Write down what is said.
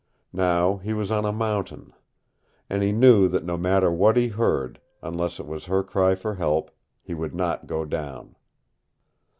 Now he was on a mountain. And he knew that no matter what he heard, unless it was her cry for help, he would not go down.